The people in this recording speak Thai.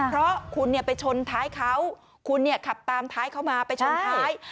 เพราะคุณไปชนท้ายเขาคุณขับตามท้ายเขามาไปชนท้าย